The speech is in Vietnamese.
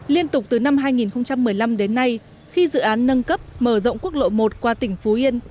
liên tục từ năm hai nghìn một mươi năm đến nay khi dự án nâng cấp mở rộng quốc lộ một qua tỉnh phú yên